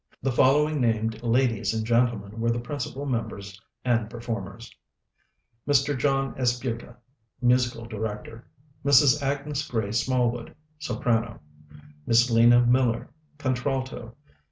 The following named ladies and gentlemen were the principal members and performers: MR. JOHN ESPUTA Musical Director. MRS. AGNES GRAY SMALLWOOD Soprano. MISS LENA MILLER _Contralto.